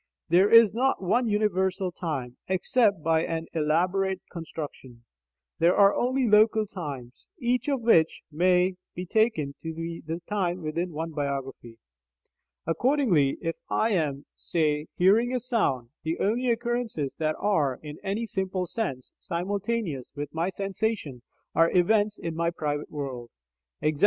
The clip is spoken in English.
There is not one universal time, except by an elaborate construction; there are only local times, each of which may be taken to be the time within one biography. Accordingly, if I am (say) hearing a sound, the only occurrences that are, in any simple sense, simultaneous with my sensation are events in my private world, i.e.